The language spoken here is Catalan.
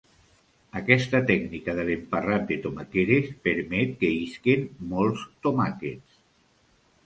Aquesta tècnica de l'emparrat de tomaqueres permet que isquen molts tomàquets.